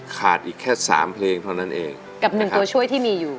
ขาดอีกแค่สามเพลงเท่านั้นเองฝีอีกหนึ่งเท่าช่วยที่มีอยู่